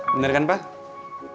bener kan pak